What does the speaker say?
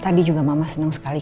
tadi juga mama senang sekali